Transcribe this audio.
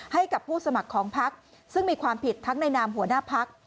ให้กับผู้สมัครของพักซึ่งมีความผิดทั้งในนามหัวหน้าพัก